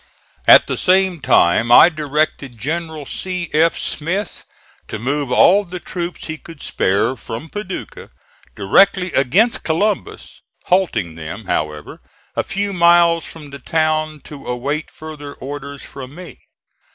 At the same time I directed General C. F. Smith to move all the troops he could spare from Paducah directly against Columbus, halting them, however, a few miles from the town to await further orders from me.